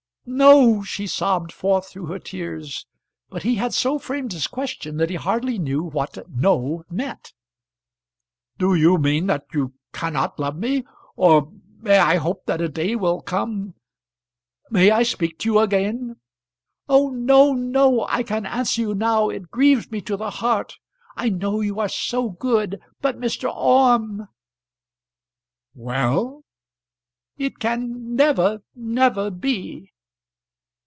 "No!" she sobbed forth through her tears; but he had so framed his question that he hardly knew what No meant. "Do you mean that you cannot love me, or may I hope that a day will come ? May I speak to you again ?" "Oh, no, no! I can answer you now. It grieves me to the heart. I know you are so good. But, Mr. Orme " "Well " "It can never, never be."